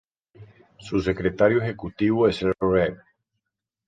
Su Secretario Ejecutivo es el Rev.